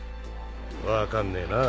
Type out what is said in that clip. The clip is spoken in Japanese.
分かんねえな